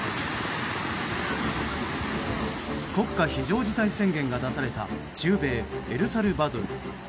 国家非常事態宣言が出された中米エルサルバドル。